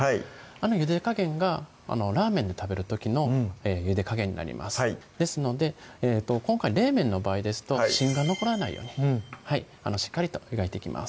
あのゆで加減がラーメンで食べる時のゆで加減になりますですので今回冷麺の場合ですと芯が残らないようにしっかりと湯がいていきます